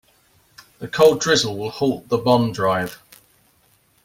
The cold drizzle will halt the bond drive.